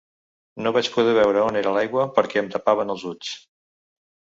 No vaig poder veure on era l’aigua perquè em tapaven els ulls.